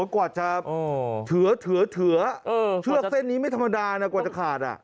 กว่าจะเถื่อเชือกเส้นนี้ไม่ธรรมดานะกว่าจะขาด